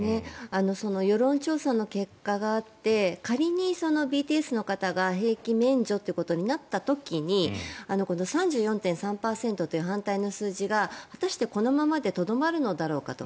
世論調査の結果があって仮にＢＴＳの方が兵役免除となった時に３４．３％という反対の数字が果たしてこのままでとどまるのだろうかと。